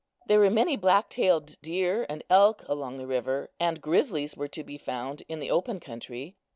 There were many black tailed deer and elk along the river, and grizzlies were to be found in the open country.